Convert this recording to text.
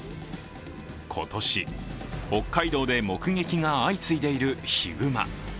今年、北海道で目撃が相次いでいるヒグマ。